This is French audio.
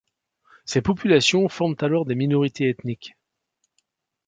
Ces populations forment alors des minorités ethniques.